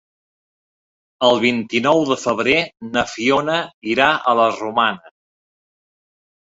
El vint-i-nou de febrer na Fiona irà a la Romana.